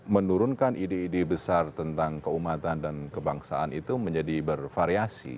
menurunkan ide ide besar tentang keumatan dan kebangsaan itu menjadi bervariasi